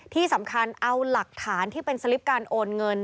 ที่สำคัญเอาหลักฐานที่เป็นสลิปการโอนเงิน